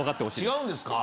違うんですか？